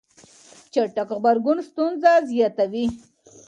چټک غبرګون ستونزه زياتوي.